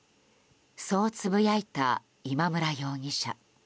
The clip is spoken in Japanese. そうつぶやいた今村容疑者。